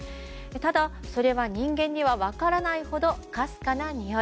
ただ、それは人間には分からないほどかすかなにおい。